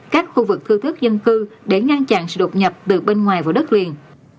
các khu vực thư thức dân cư để ngăn chặn sự đột nhập từ bên ngoài vào đất liền